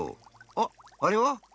あっあれは？